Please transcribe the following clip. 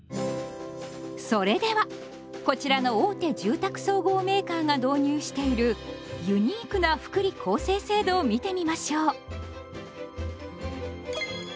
それではこちらの大手住宅総合メーカーが導入しているユニークな福利厚生制度を見てみましょう。